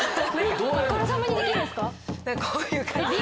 こういう感じで。